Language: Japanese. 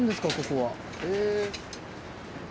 ここは。え？